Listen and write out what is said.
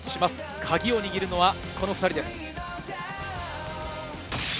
カギを握るのはこの２人です。